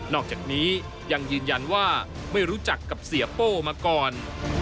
อกจากนี้ยังยืนยันว่าไม่รู้จักกับเสียโป้มาก่อน